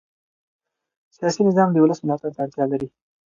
سیاسي نظام د ولس ملاتړ ته اړتیا لري